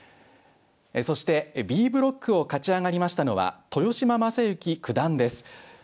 そしてＢブロックを勝ち上がりましたのは豊島将之九段です。